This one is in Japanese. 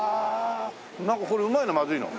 なんかこれうまいの？